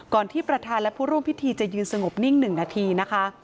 ที่ประธานและผู้ร่วมพิธีจะยืนสงบนิ่ง๑นาทีนะคะ